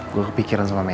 gue kepikiran sama meka